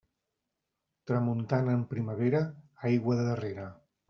Tramuntana en primavera, aigua darrera.